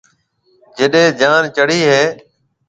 جڏَي جان چڙھيََََ ھيََََ